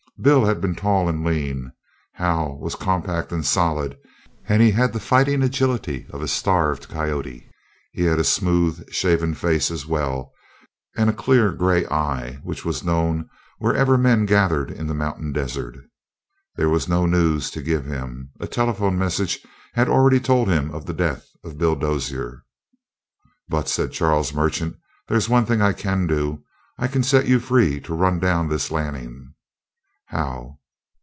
Bill had been tall and lean; Hal was compact and solid, and he had the fighting agility of a starved coyote. He had a smooth shaven face as well, and a clear gray eye, which was known wherever men gathered in the mountain desert. There was no news to give him. A telephone message had already told him of the death of Bill Dozier. "But," said Charles Merchant, "there's one thing I can do. I can set you free to run down this Lanning." "How?"